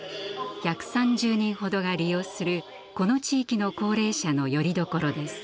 １３０人ほどが利用するこの地域の高齢者のよりどころです。